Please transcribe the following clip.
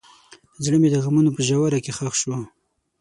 زړه مې د غمونو په ژوره کې ښخ شو.